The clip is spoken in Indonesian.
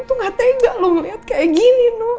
itu gak tega loh ngeliat kayak gini noah